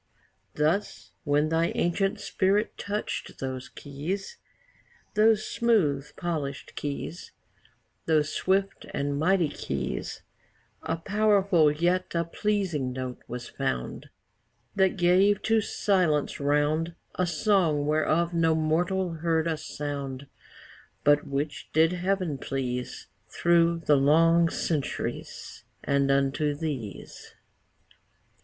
Thus, when thy ancient spirit touch'd those keys, Those smoothly polished keys, Those swift and mighty keys A powerful yet a pleasing note was found That gave to Silence round A song whereof no mortal heard a sound, But which did Heaven please Through the long centuries, And unto these.